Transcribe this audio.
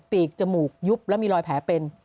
กจมูกยุบแล้วมีรอยแผลเป็น